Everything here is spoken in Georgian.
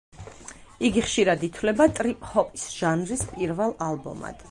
იგი ხშირად ითვლება ტრიპ ჰოპის ჟანრის პირველ ალბომად.